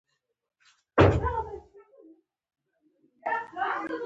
تاسو پوهیږئ چې د څراغ روښانه کولو لپاره له سوېچ څخه کار اخیستل کېږي.